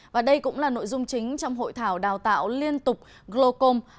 và đây cũng là nội dung chính trong hội thảo đào tạo liên tục glocom